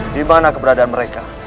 dimana keberadaan mereka